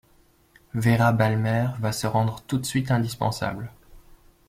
Véra Balmer va se rendre tout de suite indispensable.